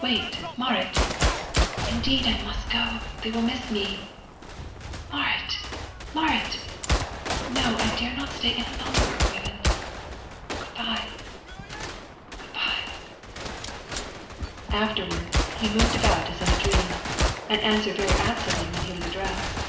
"Wait, Marit!" "Indeed I must go; they will miss me." "Marit! Marit!" "No, I dare not stay away any longer, Oyvind. Good by." "Good by!" Afterwards he moved about as in a dream, and answered very absently when he was addressed.